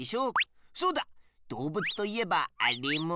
そうだどうぶつといえばあれも？